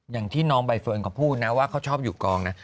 อย่างที่น้องใบเฟิร์นเขาพูดนะว่าเขาชอบอยู่กองนะ